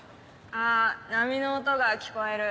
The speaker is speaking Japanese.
あ波の音が聞こえる。